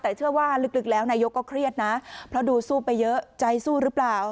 แต่เชื่อว่าลึกแล้วนายกก็เครียดนะเพราะดูสู้ไปเยอะใจสู้หรือเปล่า